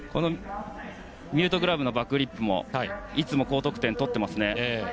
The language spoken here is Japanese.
ミュートグラブのバックフリップもいつも高得点を取っていますね。